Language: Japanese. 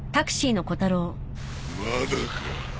まだか？